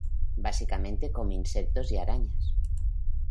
Básicamente comen insectos y arañas.